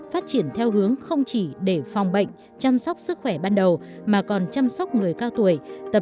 phát triển theo hướng không chỉ để phòng bệnh chăm sóc sức khỏe ban đầu mà còn chăm sóc người cao tuổi